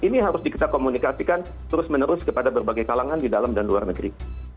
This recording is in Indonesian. ini harus kita komunikasikan terus menerus kepada berbagai kalangan di dalam dan luar negeri